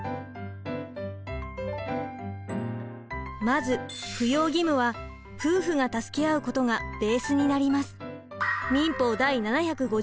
まず扶養義務は夫婦が助け合うことがベースになります。